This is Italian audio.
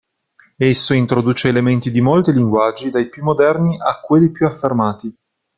Esso introduce elementi di molti linguaggi, dai più moderni a quelli più affermati.